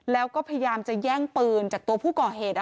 แล้วก็พยายามจะแย่งปืนจากตัวผู้ก่อเหตุ